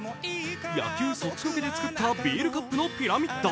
野球そっちのけで作ったビールカップのピラミッド。